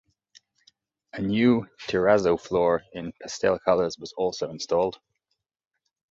A new terrazzo floor in pastel colors was also installed.